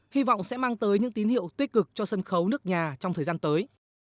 hy vọng sẽ mang tới những tín hiệu tích cực cho sân khấu nước nhà trong thời gian tới